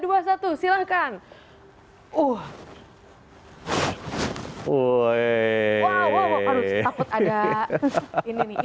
aduh takut ada ini nih